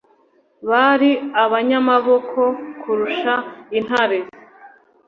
Bari abanyamaboko kurusha intare